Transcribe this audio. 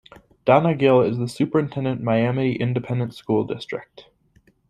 Donna Gill is the superintendent Miami Independent School District.